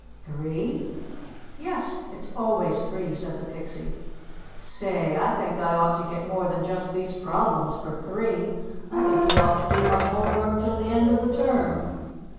"Three?" "Yes, it's always three," said the Pixie. "Say, I think I ought to get more than just these problems for three. I think you ought to do my home work till the end of the term."